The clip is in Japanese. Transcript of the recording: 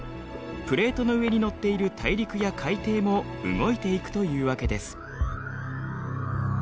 プレートの上に載っている大陸や海底も動いていくというわけです。